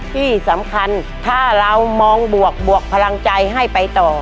ที่สำคัญถ้าเรามองบวกบวกพลังใจให้ไปต่อ